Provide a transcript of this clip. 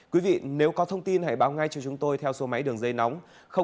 quý vị nếu có thông tin hãy báo ngay cho chúng tôi theo số máy đường dây nóng